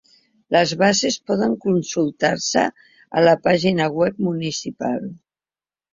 Les bases poden consultar-se en la pàgina web municipal.